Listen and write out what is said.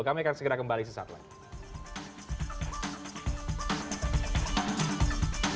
kami akan segera kembali sesaat lain